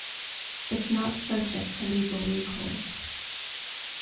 It’s not subject to legal recourse.